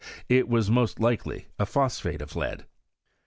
It was most likely a phosphate of lead.